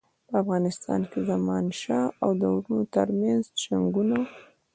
په افغانستان کې د زمانشاه او وروڼو ترمنځ جنګونه.